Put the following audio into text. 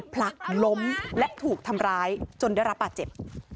ผลักล้มและถูกทำร้ายจนได้รับบาดเจ็บ